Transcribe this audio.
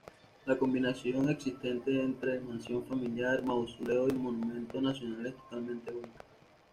La combinación existente entre mansión familiar, mausoleo y monumento nacional es totalmente única.